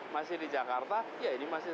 masih di jakarta ya ini masih